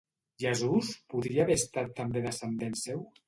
Jesús podria haver estat també descendent seu?